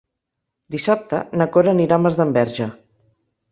Dissabte na Cora anirà a Masdenverge.